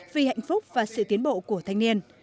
vì hạnh phúc và sự tiến bộ của thanh niên